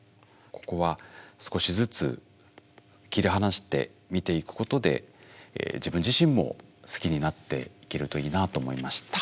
ここは少しずつ切り離して見ていくことで自分自身も好きになっていけるといいなと思いました。